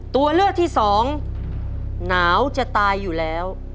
ตัวเลือกที่สองหนาวจะตายอยู่แล้ว